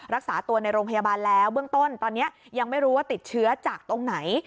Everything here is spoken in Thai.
รักษาตัวในโรงพยาบาลแล้วเบื้องต้นตอนนี้ยังไม่รู้ว่าติดเชื้อจากตรงไหน